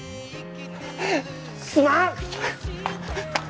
すまん！